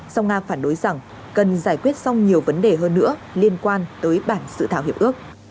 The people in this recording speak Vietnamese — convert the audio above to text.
song nga phản đối rằng cần giải quyết xong nhiều vấn đề hơn nữa liên quan tới bản sự thảo hiệp ước